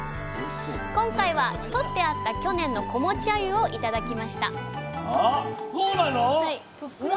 今回はとってあった去年の子持ちあゆを頂きました